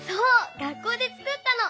学校でつくったの。